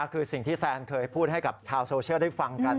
คือสิ่งที่แซนเคยพูดให้กับชาวโซเชียลได้ฟังกัน